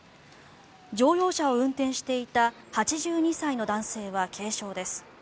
乗用車を運転していた８２歳の男性は軽傷です。